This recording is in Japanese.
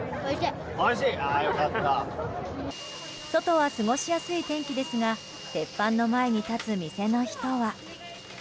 外は過ごしやすい天気ですが鉄板の前に立つ店の人は。